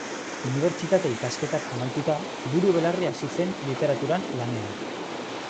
Unibertsitate-ikasketak amaituta, buru-belarri hasi zen literaturan lanean.